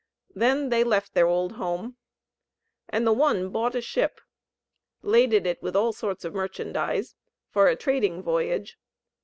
Then they left their old home; and the one bought a ship, laded it with all sorts of merchandize, for a trading voyage.